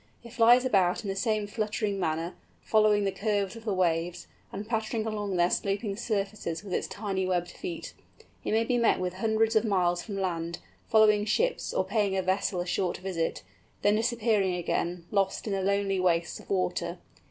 It flies about in the same fluttering manner, following the curves of the waves, and pattering along their sloping surfaces with its tiny webbed feet. It may be met with hundreds of miles from land, following ships, or paying a vessel a short visit, then disappearing again, lost in the lonely wastes of water.